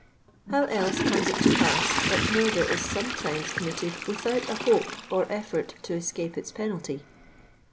How else comes it to pass that murder is sometimes committed without a hope or effort to escape its penalty